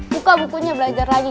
buka bukunya belajar lagi